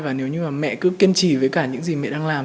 và nếu như mà mẹ cứ kiên trì với cả những gì mẹ đang làm